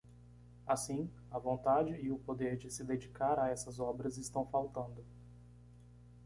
Assim, a vontade e o poder de se dedicar a essas obras estão faltando.